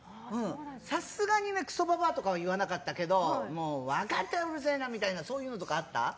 さすがにクソババアとかは言わなかったけど分かったよ、うるせえな！とかそういうのとかはあった。